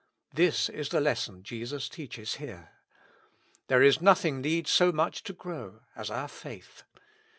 This is the lesson Jesus teaches here. There is nothing needs so much to grow as our faith.